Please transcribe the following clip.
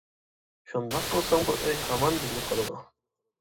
شۇنداق قىلساڭ، بۇ ئۆي ھامان بىزگە قالىدۇ.